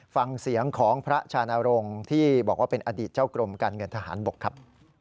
ฟังเสียงของพระชานรงค์ที่บอกว่าเป็นอดีตเจ้ากรมการเงินทหารบกครับ